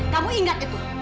kamu ingat itu